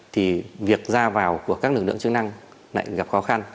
thì việc ra vào của các lực lượng chức năng lại gặp khó khăn